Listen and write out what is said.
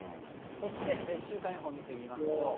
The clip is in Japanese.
そして、週間予報を見てみますと。